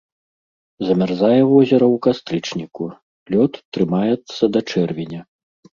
Замярзае возера ў кастрычніку, лёд трымаецца да чэрвеня.